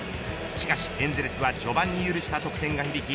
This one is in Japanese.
しかしエンゼルスは序盤に許した得点が響き